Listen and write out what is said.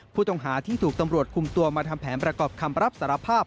ผู้ต้องหาที่ถูกตำรวจคุมตัวมาทำแผนประกอบคำรับสารภาพ